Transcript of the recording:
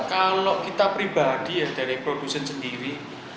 kalau kita pribadi dari produksen sendiri